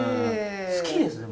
好きですね